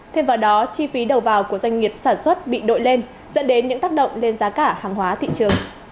thêm vào đó chi phí đầu vào của doanh nghiệp sản xuất bị đội lên dẫn đến những tác động lên giá cả hàng hóa thị trường